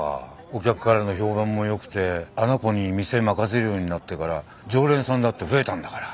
お客からの評判も良くてあの子に店任せるようになってから常連さんだって増えたんだから。